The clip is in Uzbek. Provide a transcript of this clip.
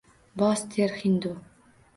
Bos, der hindu